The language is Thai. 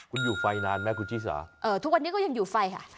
คุณอยู่ฟัยนานไหมครูจิสาอ๋อทุกวันนี้ก็ยังอยู่ไฟครับ